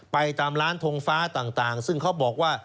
ไปตามร้านทงฟ้าต่างซึ่งเขาบอกว่า